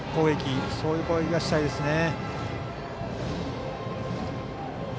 そういう攻撃がしたいですね。